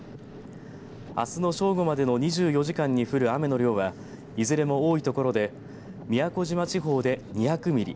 あすの正午までの２４時間に降る雨の量はいずれも多いところで宮古島地方で２００ミリ